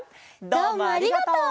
どうもありがとう！